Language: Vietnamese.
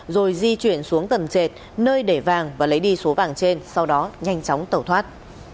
rồi di chuyển xuống tầng trệt nơi để vàng và lấy đi số vàng trên sau đó nhanh chóng tẩu thoát